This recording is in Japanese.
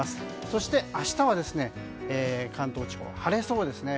そして明日は関東地方、晴れそうですね。